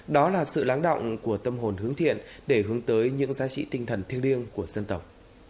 đó là sự lắng động của tâm hồn hướng thiện để hướng tới những giá trị tinh thần thiêng liêng của dân tộc